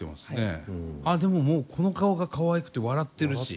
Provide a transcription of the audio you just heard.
ああでももうこの顔がかわいくて笑ってるし。